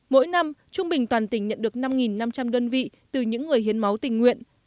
mỗi năm trung bình toàn tỉnh nhận được năm năm trăm linh đơn vị từ những người hiến máu tình nguyện